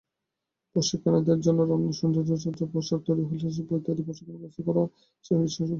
প্রশিক্ষণনারীদের জন্য রান্না, সৌন্দর্যচর্চা, পোশাক তৈরি, হস্তশিল্প ইত্যাদি প্রশিক্ষণের ব্যবস্থা করেছে গৃহসুখন।